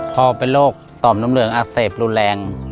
พอเป็นโรคต่อมน้ำเหลืองอักเสบรุนแรง